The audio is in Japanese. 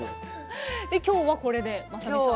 今日はこれでまさみさん。